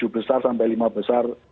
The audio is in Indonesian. tujuh besar sampai lima besar